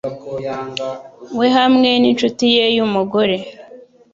we hamwe n'inshuti ye y'umugore